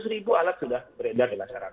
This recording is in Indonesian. tiga ratus ribu alat sudah beredar di masyarakat